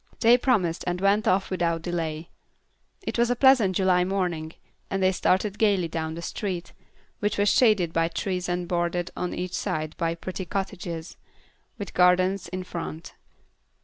They promised, and went off without delay. It was a pleasant July morning, and they started gaily down the street, which was shaded by trees and bordered on each side by pretty cottages, with gardens in front.